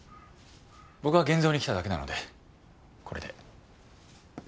僕は現像に来ただけなのでこれで。